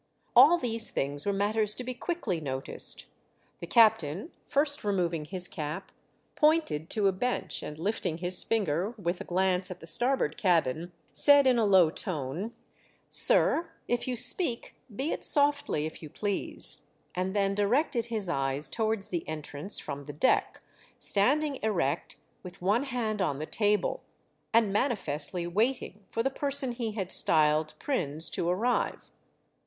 All these things were matters to be quickly noticed. The captain, first removing his cap, pointed to a bench, and lifting his finger, with a glance at the starboard cabin, said in a low tone, " Sir, if you speak be it softly, if you please," and then directed his eyes towards the entrance from the deck, standing erect, with one hand on the table, and manifestly waiting for the person he had styled Prins to arrive.